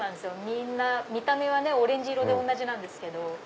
みんな見た目はオレンジ色で同じなんですけど。